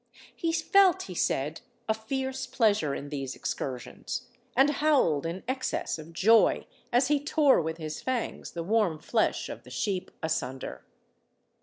He felt, he said, a fierce pleasure in these excursions, and howled in excess of joy as he tore with his fangs the warm flesh of the sheep asunder.